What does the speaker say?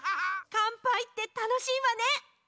かんぱいってたのしいわね！